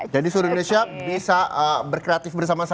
jadi seluruh indonesia bisa berkreatif bersama sama